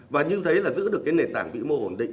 và như thế là giữ được cái nền tảng vĩ mô ổn định